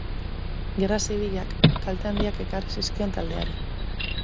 Gerra Zibilak kalte handiak ekarri zizkion taldeari.